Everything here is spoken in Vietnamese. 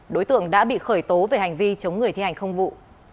đối tượng đã bị khởi tố về hành vi chống người thi hành công vụ